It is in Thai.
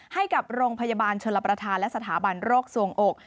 ให้กับโรงพยาบาลชลประธานและสถาบันโรคสวงอก